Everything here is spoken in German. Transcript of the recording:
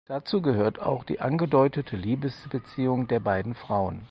Dazu gehört auch die angedeutete Liebesbeziehung der beiden Frauen.